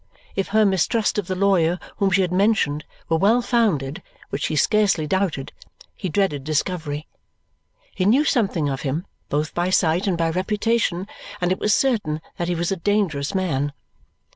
If her mistrust of the lawyer whom she had mentioned were well founded, which he scarcely doubted, he dreaded discovery. He knew something of him, both by sight and by reputation, and it was certain that he was a dangerous man.